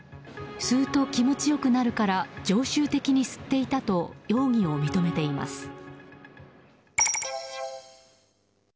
吸うと気持ち良くなるから常習的に吸っていたと容疑を認めています。